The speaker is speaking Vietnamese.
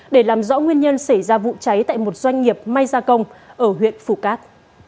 để làm rõ nguyên nhân xảy ra vụ cháy tại một doanh nghiệp may gia công ở huyện phù cát